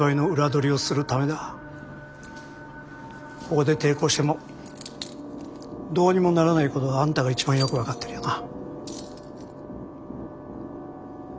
ここで抵抗してもどうにもならないことはあんたが一番よく分かってるよな。